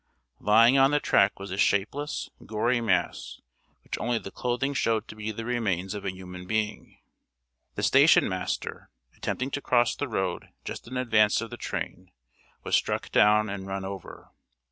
Lying on the track was a shapeless, gory mass, which only the clothing showed to be the remains of a human being. The station keeper, attempting to cross the road just in advance of the train, was struck down and run over.